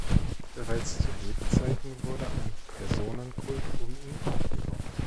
Bereits zu Lebzeiten wurde ein Personenkult um ihn aufgebaut.